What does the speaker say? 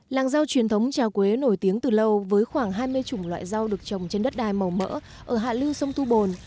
làng rau truyền thống trà quế nổi tiếng từ lâu với khoảng hai mươi chủng loại rau được trồng trên đất đai màu mỡ ở hạ lưu sông thu bồn